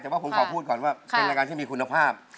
แต่ว่าผมขอพูดก่อนว่าเป็นรายการที่มีคุณภาพ